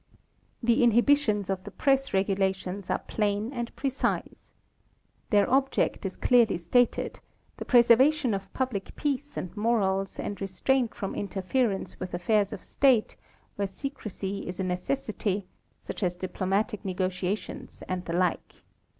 The inhibitions of the press regulations are plain and precise. Their object is clearly stated, the preservation of public peace and morals, and restraint from interference with affairs of state where secrecy is a necessity, such as diplomatic negotiations and the lke.